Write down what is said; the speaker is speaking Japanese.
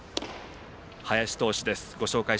林投手です。